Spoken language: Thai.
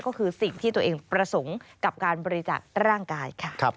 ก็คือสิ่งที่ตัวเองประสงค์กับการบริจาคร่างกายค่ะ